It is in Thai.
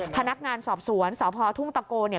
พนักงานสอบสวนสพทุ่งตะโกเนี่ย